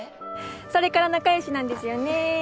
それから仲よしなんですよね